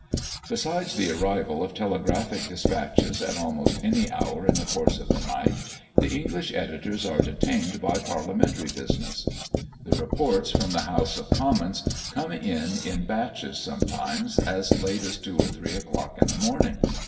Besides the arrival of telegraphic despatches at almost any hour in the course of the night, the English editors are detained by parliamentary business. The reports from the House of Commons come in in batches sometimes as late as two or three o'clock in the morning.